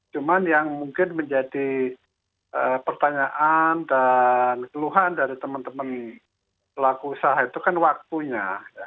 cuma yang mungkin menjadi pertanyaan dan keluhan dari teman teman pelaku usaha itu kan waktunya